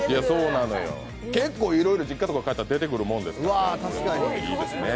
結構、いろいろ実家とか帰ったら出てくるもんですよ。